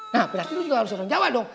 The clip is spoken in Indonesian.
nah berarti lu juga harus orang jawa dong